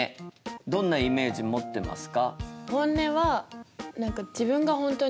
どんなイメージ持ってますか？